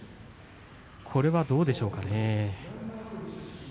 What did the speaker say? これはどうでしょうかね。